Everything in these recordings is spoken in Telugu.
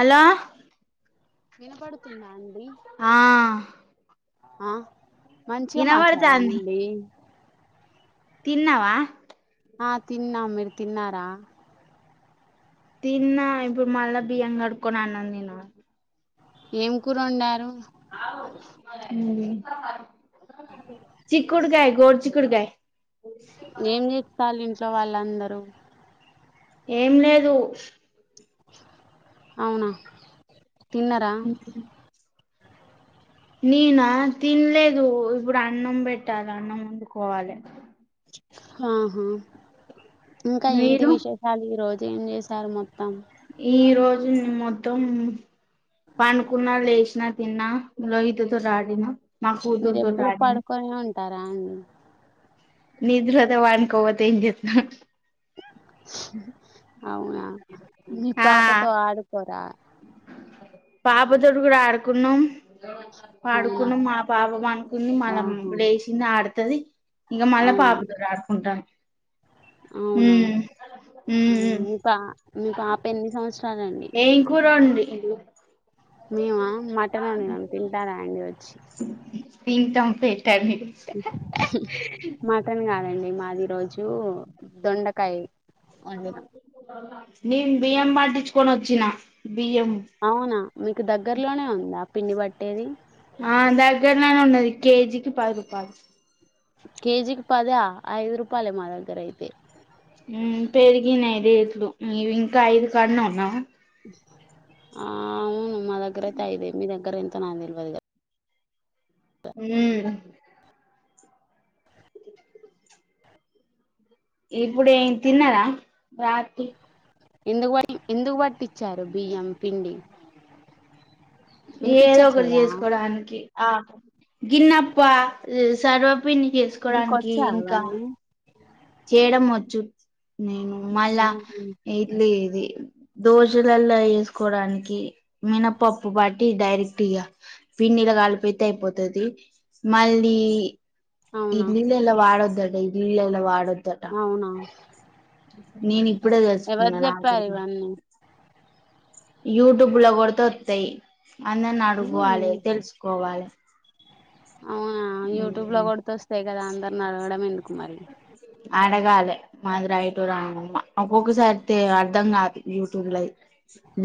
హలో వినపడుతుందా అండి ఆ ఆ మంచిగా మాట్లాడండి తిన్నవా ఆ తిన్నాం మీరు తిన్నారా తిన్నా ఇప్పుడు మళ్ళా బియ్యం గడుక్కొని అన్నం తినాలి ఏం కూరొండారు మ్ చిక్కుడుగాయ్ గోరు చిక్కుడుగాయ్ ఏం జేస్తాలు ఇంట్లో వాళ్ళందరూ? ఏం లేదు అవునా తిన్నరా? నేనా తిన్లేదు ఇప్పుడు అన్నం బెట్టాలి అన్నం వండుకోవాలె ఆహా ఇంకా ఏంటి మీరు విశేషాలు ఈ రోజు ఏం జేశారు మొత్తం? ఈ రోజు మొత్తం పండుకున్నా లేస్ న తిన్నా లోహిత తోటి ఆడినా మా మీరు కూతురుతోటి ఎప్పుడు ఆడినా పడుకొనే ఉంటారా అండి నిద్రవత్తె పడుకోక పోతే ఏం జేత్తం అవునా మీ ఆ పాపతో ఆడుకోరా? పాపతోటి కూడా ఆడుకున్నం అవునా పాడుకున్నం మా పాప పనుకుని మళ ఆహా లేచంది ఆడుతది ఇంక మళ్ళా అవును పాపతోటి ఆడుకుంటాం. అవునా మ్ ఉమ్ మీ పా మీ పాప ఎన్ని సంవత్స ఏ కూర వండిళ్ళు? మేము మటన్ వండినం తింటారా అండి వచ్చి? తింటాం ఫెట్ హ్హ్ మటన్ కాదండి మాది ఈరోజు దొండకాయ వండినాం నేను బియం పండించుకొని వచ్చిన బియ్యం అవునా మీకు దగ్గర్లోనే ఉందా పిండి పట్టేది? ఆ దగ్గరలోనే ఉన్నది కేజీకి పది రూపాయలు కేజీకి పద ఐదు రూపాయలె మా దగ్గరైతే మ్ పెరిగినయి రేట్లు నీవి ఇంకా ఐదు కాడనె ఉన్నావ? ఆ అవును మా దగ్గర అయితే అయిదే మీ దగ్గర ఎంతో నాకు తెలివదుగా హ ఇప్పుడు ఏం తిన్నారా రాత్రి ఎందుకువాయి ఎందుకు పట్టిచ్చారు బియ్యం పిండి? ఏదో ఒకటి వినిపించట్లేదా చేసుకోడానికి ఆ గిన్నప్ప ల్ సర్వ పిన్ని మీకు చేసుకోవడానికి వచ్చా ఇంకా అవన్నీ చేయడం వచ్చు నేను మళ్ళా ఉమ్, ఇట్లీ ఇది దోశలలో వేసు కోవడానికి మినప్పప్పు బట్టి డైరెక్ట్ గా పిండిలా కలిపితే అయిపోతది. మళ్ళీ అవునా ఇడ్లి ల్లా వాడద్దోండి ఇడ్లిల్ల వాడద్ అవునా నేను ఇప్పుడే ఎవరు తెలుసుకున్నా చెప్పారు నాగిరి ఇవన్నీ యూట్యూబ్ లో కొడితే వత్తాయి. అందరిని అడుకోవాలి ఉమ్, తెలుసుకోవాలి అవునా యూట్యూబ్ లో కొడుతే వస్తాయి కదా అందరిని అడగడం ఎందుకు మరి? అడగాలి మాది రైటూ రాంగ్మ్మా ఒక్కొక్కసారితే అర్ధం కాదు యూట్యూబ్ లై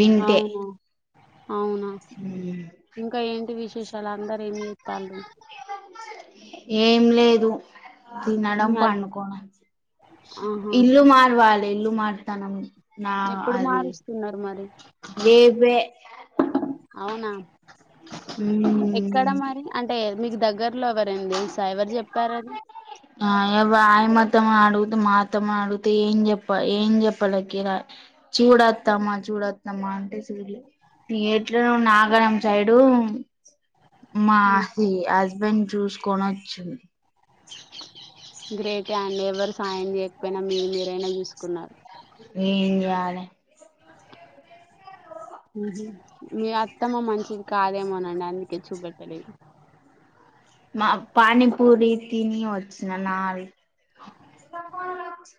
వింటే అవునా అవునా ఇంకా ఏంటి విశేషాలు అందరూ ఏం చేత్తళ్ళు? ఏం లేదు మీ తినడం, హస్ పండుకోడం ఆహా ఇల్లు మారవాలి ఇల్లు మారుతానం నా ఎప్పుడు అది మారుస్తున్నారు మరి మీవే అవునా ఎక్కడ మరి అంటే మీకు దగ్గర్లో ఎవరండి సైవరు చెప్పారని మతం అడుగుత మతం అడుగుతే ఏం చెప్ప ఏం చెప్పాలకి రా చూడ వత్తమా మా చూడొద్దమ్మా అంటే చూళ్ళే ఎట్లనో నాగరం సైడు మాహి హస్బెండ్ చూసుకొని వచ్చింది గ్రేటే అండి ఏ చూసుకున్నారు ఎంజాలే ఉమ్ మీ అత్తమ్మ మంచిది కాదేమోనండి అందుకే చూపెట్టలేదు. మా పానీపూరి తిని వచ్చిన నావి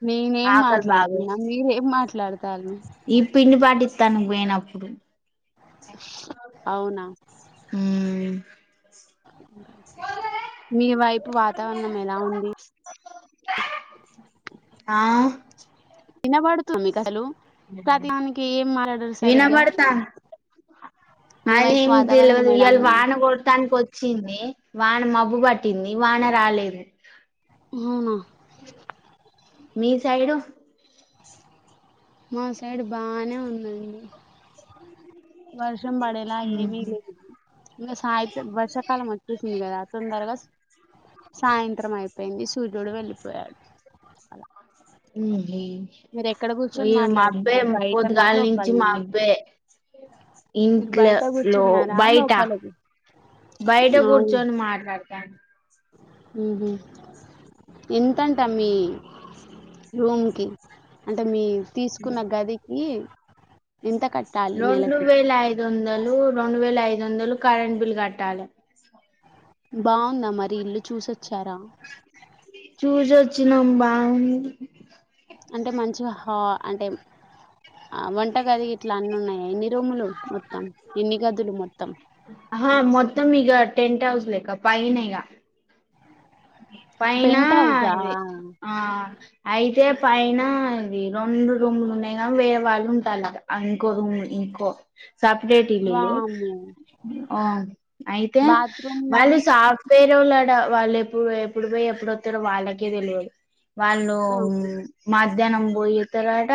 నేనేం మాట్లాడుతున్నా మీరేం మాట్లాడుతు ఈ పిండి పాటిత్తాను పోయినప్పుడు అవునా అ మీ వైపు వాతావరణం ఎలా ఉంది? ఆ వినబడుతుంది మీకు అసలు ప్రతి దానికి ఏం మాట్లాడరు సరిగ్గా మీ అ వైపు ఇంగిది వాతావరణం లోల్ ఎలా ఇయల ఉంది వాన కొడతాంది పో వచ్చింది వాన మబ్బు పట్టింది వాన రాలేది ఉవునా మీ సైడు? మా సైడ్ బానే ఉందండి. వర్షం పడేలా ఏమి లేదు ఇంగ సాయితే వర్షాకాలం వచ్చేసింది కదా తొందరగా సాయంత్రం అయిపోయింది. సూర్యుడు వెళ్ళిపోయాడు అలా ఉ ఇ పోయ మాబ్బే మాట్లాడుతున్నారు బయటనా పోద్దిగాల నుంచి లోపలనా మబ్బే మీరు ఇంట్ల బయట లో కూర్చున్నారా బయట లోపల బయట కూర్చొని మాట్లాడతాను. ఉహు ఎంతంట మీ రూమ్ కి? అంటే మీ తీసుకున్న గదికి ఎంత కట్టాలి నెలకి? దొందలు రెండు వేల ఐదు వందలు కరెంట్ బిల్ కట్టాలి. బావుందా మరి ఇల్లు చూసొచ్చారా? చ్చినామం బావుంది. అంటే మంచిగా హ అంటే ఆ వంటగది ఇట్లా అన్ని ఉన్నాయ ఎన్ని రూములు? మొత్తం ఎన్ని గదులు మొత్తం ఆహా మొత్తం ఇగ టెంట్ హౌస్లక్క పైన్ ఇగ ఫైనా పెంట్ హౌసా ఇది ఆ అయితే పైన ఇది రెండు రూములు ఉన్నాయి కానీ వేరే వాళ్ళు ఉంటారు ఇంకో రూమ్లు ఇంకో సప్డేట్ ఇల్లులు వామ్మో ఓ అయితే బాత్రూమ్ మళ్ళీ మరి సాఫవే ఇయొళడా వాళ్ళు ఎప్పుడు పోయ్ ఎప్పుడు పోయి ఎప్పుడు వత్తరో వాళ్ళకే తెలియాలి. వాళ్ళు ఆ! మా మధ్యాహ్నం పోయ తారట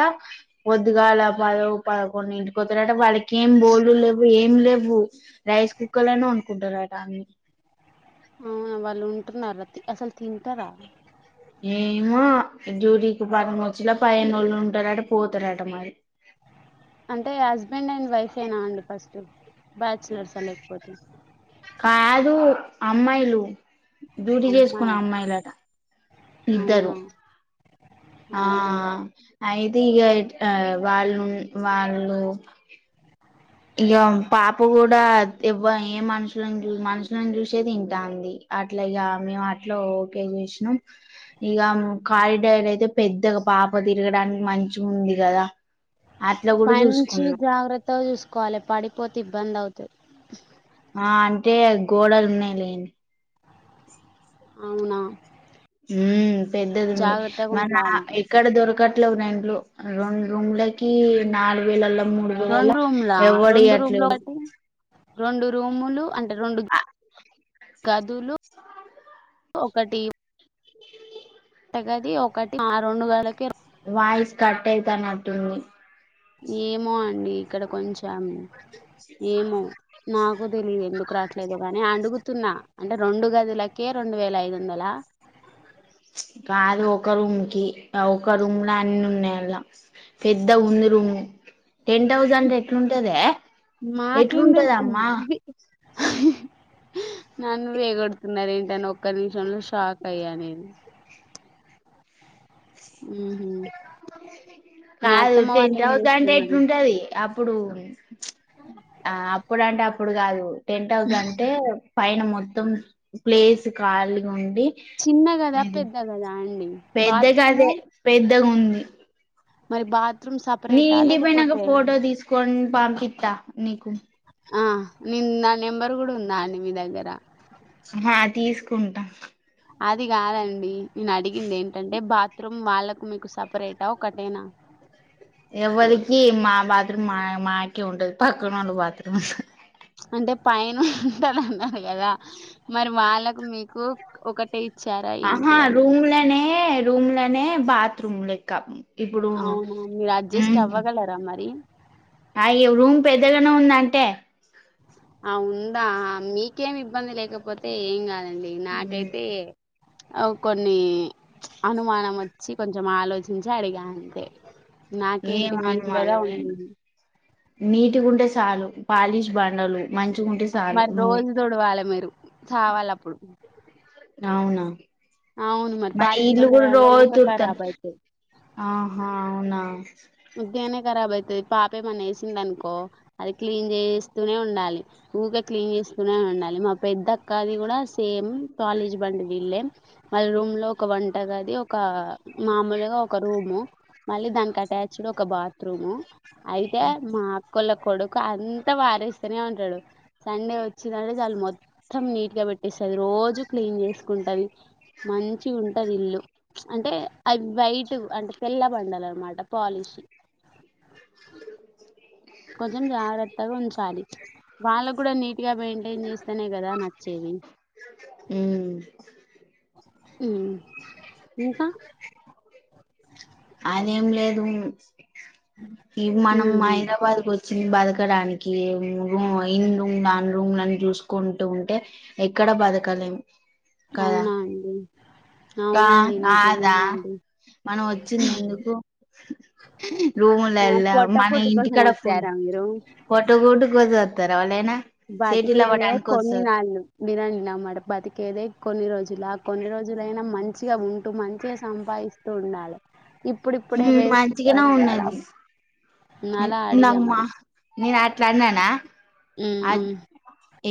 పొద్గాల పద పదకొండు ఇంటికితారట వాళ్ళకి ఇంకేం బోల్డు లేవు ఏం లేవు రైస్ కుక్కర్ లోనే వండుకుంటారట అవి అవునా వాళ్ళు ఉంటున్నార అసల్ తింటరా ఏమో డ్యూటీకి వారం వచ్చేలా పదిహేను రోజుల్ ఉంటరట పోతరట మరి టే నా అండి ఫస్ట్ బ్యాచిలర్సా లేకపోతే కాదు అమ్మాయిలు డ్యూటీ చేస్కునే అమ్మాయి అమ్మాయిలట ఇద్దరు అవునా ఆ అవునా అయితే ఇగ ఇట్ ఆ వాళ్ళున్ వాళ్ళు ఇగ పాప కూడా ఇవ్వ ఏ మనుషులన్ జూ మనుషులన్ జూసే తింటాంది అట్లా ఇగ మేం అట్లో ఓకే చేసినం ఇగ కారిడార్ అయితే పెద్దగ పాప తిరగడానికి మంగుంది గదా పై నుంచి జాగ్రత్తగ చూస్కోవాలె పడిపోతే ఇబ్బందౌతది. ఆ అంటే గోడలున్నయి లేండి. అవునా మ్ పెద్దదుంది. జాగ్రత్తగా మన ఉండాలి ఇక్కడ దొరకట్లేవ్ రెంట్లు రొం రూమ్లకి నాలుగు వేలల్ల మూడు వేలల్ల రెండు రూమ్లా ఎవ్వడ్ ఇయ్యట్లేడు. రొండు రూములు అంటే రొండు గదులు ఇస్తానుగ ఒకటి వంట గది ఒకటి ఆ రెండు గదులకే వాయిస్ కట్ అయితనట్టుంది. ఏమో అండి ఇక్కడ కొంచం ఏమో నాక్ తెలీదు ఎందుకు రాట్లేద్ గని అడుగుతున్నా అంటే రొండు గదులకే రెండు వేల ఐదు వందల? కాదు ఒక రూమ్కి ఆ ఒక రూమ్ల అన్నున్నయి అల్ల పెద్దగుంది రూము. టెంట్ హౌస్ ఎట్లుంటదే మాకేం తెలుసు ఎట్లుంటదమ్మా? వి నన్ను వేగొడుతున్నరేంటన్ ఒక్క నిమిషంలో షాక్ అయ్యా నేను ఉహు మీ కాదు అత్తమ్మ వాళ్ళు టెంట్ ఏం హౌస్ అంటే చేస్తున్నారు ఎట్లుంటది అ ప్పుడూ ఆ అప్పుడంటే అప్పుడు కాదు టెంట్ హౌస్ అంటే పైన మొత్తం ప్లేస్ కాలిగ ఉండి చిన్న గదా పెద్ద గదా అండి బాత్రూము పెద్దగదే పెద్దగుంది. మరి బాత్రూమ్ నీ సపరేటా ఇంటిక్ పోయినంక లేకపోతే ఫోటో తీస్కోన్ పంపిత్త నీకు ఆ నిన్ నా నెంబర్ గుడ ఉందా అండి మీ దగ్గర అహ తీస్కుంట అది గాదండి నేన్ అడిగింద్ ఏంటంటే బాత్రూమ్ వాళ్ళకు మీకు సపరేటా ఒకటేనా అ ఎవల్కి మా బాత్రూమ్ మా మాకే ఉంటది పక్కనోళ్ళ బాత్రూమ్ అంటే పైనుంటర్ అన్నర్ కదా మరి వాళ్ళకు మీకు ఒక అహ రూమ్లనే రూమ్లనే బాత్రూమ్ లెక్క ఇప్పుడూ మ్ అవునా మీరు అడ్జస్ట్ అవ్వగలరా మరి అయి రూమ్ పెద్దగనే ఉందంటే ఆ ఉందా మీకేం ఇబ్బంది లేకపోతే ఏం కాదం డి నాకైతే అవ్ కొన్నీ అనుమానం వచ్చి కొంచం ఆలోచించి అడిగా అంతే ఏం నాకేంటి మీరు కదా అనుమానమే ఉండేది నీటిగుంటే సాలు పాలిష్ బండలు మంచి. మరి రోజు తుడువాలే మీరు చవాలే అప్పుడు. అవును వును. అవును మరి పాలిష్ ఇల్లు కూడా బంగారాల రోజు ఊక తుడుతాడు ఖరాబ్ అయితాయి ఆహా అవునా. ఉత్తిగానే కరాబ్ అయితది పాపేమన్నచేసింది అనుకో అది క్లీన్ చేస్తూనే ఉండాలి. ఊకే క్లీన్ చేస్తూనే ఉండాలి మా పెద్ద అక్కది కూడా సేమ్ కాలేజీ బంటు వీళ్ళేం. మళ్ళా రూమ్ లో ఒక వంటగాది అది ఒక మామూలుగా ఒక రూము మళ్ళీ దానికి అటాచ్. ఒక బాత్రూము అయితే మా అక్కళోకు. కోడుకు అంత వారేస్తేనే ఉంటాడు సండే వచ్చిందంటే చాలు మొత్తం నీట్ గా పెట్టేస్తాడు. రోజు క్లీన్ చేసుకుంటది. మంచిగుంటది ఇల్లు అంటే వైట్ అంటే తెల్ల బండాలు అన్నమాట. పాలిష్. ఉమ్. కొంచెం జాగ్రత్తగా ఉంచాలి. వాళ్ళకు కూడా నీట్ గా మెయింటైన్ చేస్తానే కదా నచ్చేది. ఉమ్. ఉమ్ ఇంకా. అదేం లేదు ఈ మనం ఉహు హైదరాబాద్ కు వస్తే. బతకడానికి రూమ్ ఇన్ రూమ్ దన్ రూమ్ని చూసుకుంటూ ఉంటే ఎక్కడ. ఎండ బతకాలేం. అవునా అండి. ఆహ్ అవునండి నాదా. నిజమేనండి మనం వచ్చింది ఎందుకు ఆ రూములేళ్ళ పొట్ట మన పోటీ కోసం ఇంటికాడ ఫుల్. వచ్చారా మీరు. ఫోటో కూడా చూపెడతారా వాళ్ళైనా. సిటీలు బతికేదే అవ్వడానికి కొన్ని వస్తారు నాలు బిరయానీ నా మ బతికేదే. కొన్ని రోజులు ఆహ్ కొన్ని రోజులైనా మంచిగా ఉంటూ మంచిగా సంపాదిస్తూ ఉండాలి. ఇప్పుడిప్పుడే వేస్ట్ అంటే అలా. ఉమ్ అలా అడిగా నామ్మా మరి నేను అట్లా అన్నానా. అద్ ఉమ్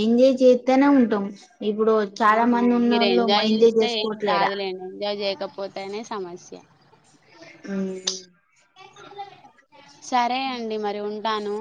ఎంజాయ్ చేస్తానే ఉంటాం. ఇప్పుడు చాలా ఆహా మంది మీరు ఉన్నోళ్ళు ఎంజాయ్ చేస్తే ఏం చేసుకోవట్లేడా కాదులేండి ఎంజాయ్ చేయకపోతేనే సమస్య. సరే అండి మరి ఉం. రాను.